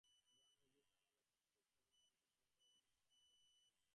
গ্রামে গিয়া মানবের প্রত্যেক কাজের মধ্যে তিনি এক নূতন সৌন্দর্য দেখিতে লাগিলেন।